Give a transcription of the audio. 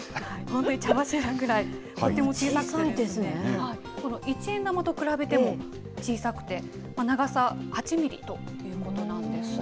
本当に茶柱ぐらい、とっても小さくて、この一円玉と比べても小さくて、長さ８ミリということなんです。